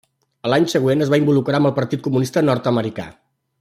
A l'any següent es va involucrar amb el Partit Comunista Nord-americà.